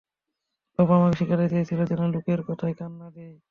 বাবা আমাকে শিখাতে চেয়েছিলো, যেন, লোকের কথায় কান না দেই!